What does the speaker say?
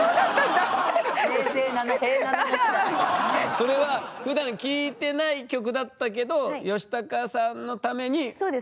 それはふだん聴いてない曲だったけどヨシタカさんのために覚えたんです？